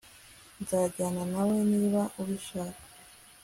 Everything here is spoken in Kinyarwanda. Nzajyana nawe niba ubishaka